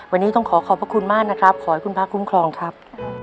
วันนี้ต้องขอขอบพระคุณมากนะครับขอให้คุณพระคุ้มครองครับ